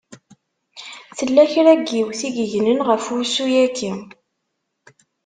Tella kra n yiwet i yegnen ɣef wussu-yaki.